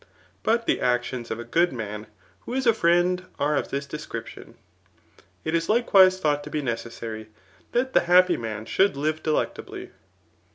But the actions of a good man ^»b# is a friend are of diis description. It is likewise ^thought to be necessary, that the happy man should live d^ett ably.